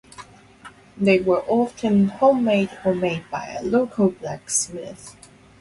They were often home-made or made by a local blacksmith.